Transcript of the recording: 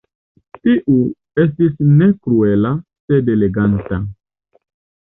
Tiu estis ne kruela, sed eleganta.